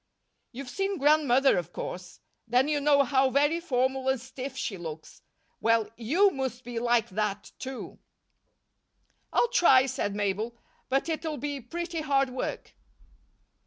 You've seen Grandmother, of course? Then you know how very formal and stiff she looks. Well, you must be like that, too." "I'll try," said Mabel, "but it'll be pretty hard work."